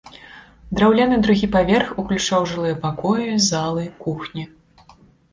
Драўляны другі паверх уключаў жылыя пакоі, залы, кухні.